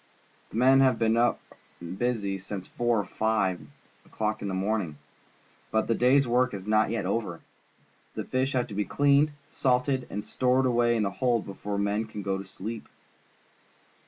The men have been up and busy since four or five o'clock in the morning, but the day's work is not yet over. The fish have to be cleaned, salted, and stored away in the hold before the men can go to sleep.